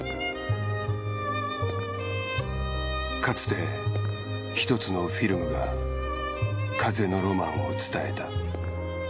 かつてひとつのフィルムが風のロマンを伝えた。